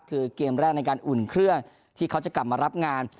คือเกมแรกในการอุ่นเครื่องที่เขาจะกลับมารับงาน